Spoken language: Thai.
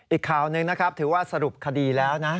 อีกข่าวหนึ่งนะครับถือว่าสรุปคดีแล้วนะ